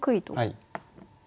はい。